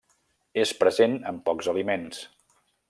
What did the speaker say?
És present en pocs aliments.